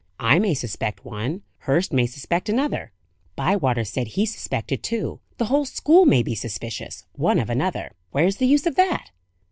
"I may suspect one; Hurst may suspect another; Bywater said he suspected two; the whole school may be suspicious, one of another. Where's the use of that?"